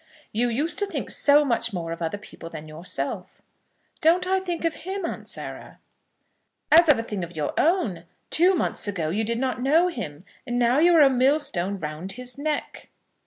"You used to think so much more of other people than yourself." "Don't I think of him, Aunt Sarah?" "As of a thing of your own. Two months ago you did not know him, and now you are a millstone round his neck."